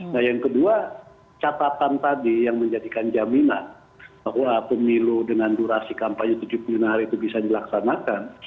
nah yang kedua catatan tadi yang menjadikan jaminan bahwa pemilu dengan durasi kampanye tujuh puluh lima hari itu bisa dilaksanakan